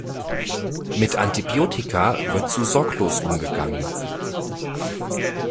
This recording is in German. Mit Antibiotika wird zu sorglos umgegangen.